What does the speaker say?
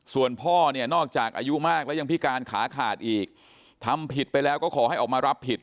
ส่วนพ่อเนี่ยนอกจากอายุมากแล้วยังพิการขาขาดอีกทำผิดไปแล้วก็ขอให้ออกมารับผิด